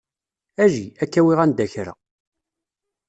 Ali. Ad k-awiɣ anda kra.